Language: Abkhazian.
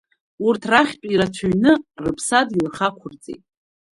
Урҭ рахьтә ирацәаҩны рыԥсадгьыл рхы ақәырҵеит.